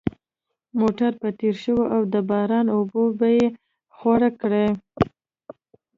موټر به تېر شو او د باران اوبه به یې خورې کړې